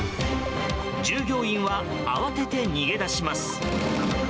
従業員は慌てて逃げ出します。